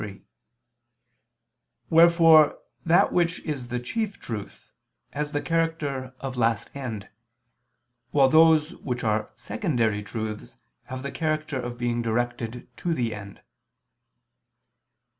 3): wherefore that which is the chief truth, has the character of last end, while those which are secondary truths, have the character of being directed to the end.